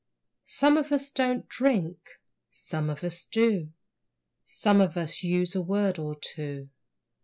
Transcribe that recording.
Some of us don't drink, some of us do; Some of us use a word or two.